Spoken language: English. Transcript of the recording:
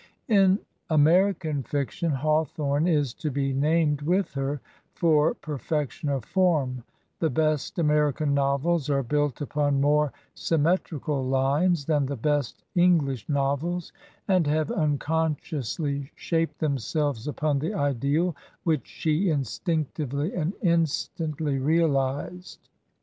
In American fiction Hawthorne is to be named with her for perfection of form ; the best American novels are built upon more symmetrical lines than the best English novels, and have unconsciously shaped themselves upon the ideal which she instinctively and instantly realized.